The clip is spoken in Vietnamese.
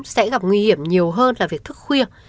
sẽ gặp nguy hiểm nhiều hơn là việc thức khuya